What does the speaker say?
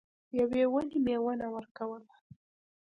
یوې ونې میوه نه ورکوله.